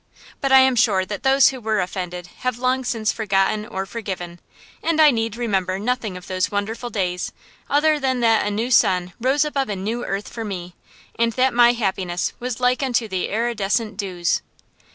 But I am sure that those who were offended have long since forgotten or forgiven, and I need remember nothing of those wonderful days other than that a new sun rose above a new earth for me, and that my happiness was like unto the iridescent dews.